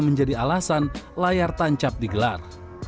menjadi alasan layar tancap digelar